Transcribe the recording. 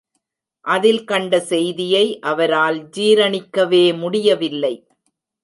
அதில் கண்ட செய்தியை அவரால் ஜீரணிக்கவே முடியவில்லை.